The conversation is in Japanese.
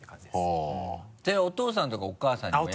それお父さんとかお母さんにも。